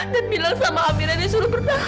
dan bilang sama amira dia suruh berdahan